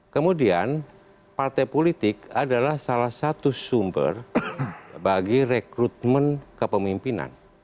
kemudian partai politik adalah salah satu sumber bagi rekrutmen kepemimpinan